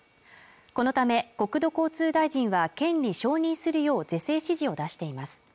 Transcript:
このため国土交通大臣は県に承認するよう是正指示を出しています